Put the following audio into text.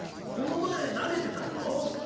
この前投げてただろ？